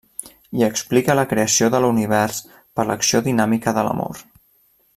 Hi explica la creació de l'univers per l'acció dinàmica de l'amor.